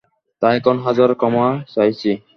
তা এখন হাজার ক্ষমা চাইছি।